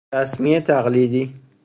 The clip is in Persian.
تسمیه تقلیدی